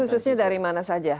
khususnya dari mana saja